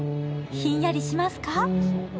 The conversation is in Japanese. ひんやりしますか？